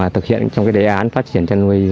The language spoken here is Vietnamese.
thực hiện trong đề án phát triển trăn nuôi